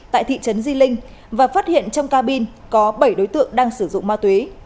tại thị trấn di linh và phát hiện trong cabin có bảy đối tượng đang sử dụng ma túy